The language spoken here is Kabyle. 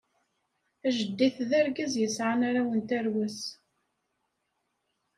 Ajeddit d argaz yesɛan arraw n tarwa-s.